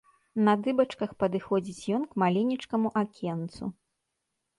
На дыбачках падыходзіць ён к маленечкаму акенцу.